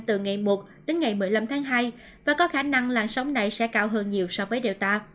từ ngày một đến ngày một mươi năm tháng hai và có khả năng làn sóng này sẽ cao hơn nhiều so với delta